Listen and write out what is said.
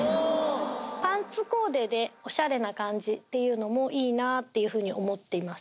パンツコーデでオシャレな感じっていうのもいいなぁっていうふうに思っています